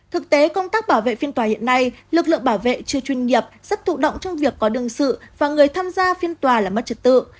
thực tế công tác bảo vệ phiên tòa hiện nay lực lượng bảo vệ chưa chuyên nghiệp rất thụ động trong việc có đương sự và người tham gia phiên tòa là mất trật tự